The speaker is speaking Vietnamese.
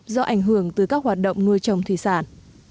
do ảnh hưởng từ các hoạt động nuôi trồng thủy sản